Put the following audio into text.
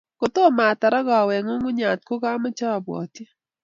kotomo atar ak awe eng nyungunyat kogameche abwatyi